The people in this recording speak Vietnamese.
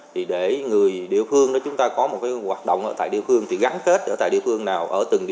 thì để người địa phương đó chúng ta có một cái hoạt động ở tại địa phương thì gắn kết ở tại địa phương nào